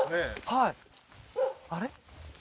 はいあれ？